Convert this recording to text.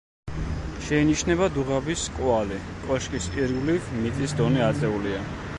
შეინიშნება დუღაბის კვალი, კოშკის ირგვლივ მიწის დონე აწეულია.